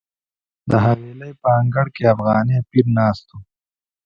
د حویلۍ په انګړ کې افغاني پیر ناست و.